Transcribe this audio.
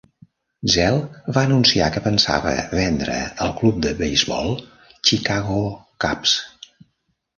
Zell va anunciar que pensava vendre el club de beisbol Chicago Cubs.